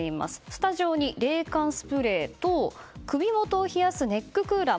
スタジオに冷感スプレーと首元を冷やすネッククーラー